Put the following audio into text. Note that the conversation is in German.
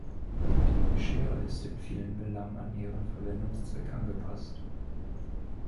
Die Schere ist in vielen Belangen an ihren Verwendungszweck angepasst.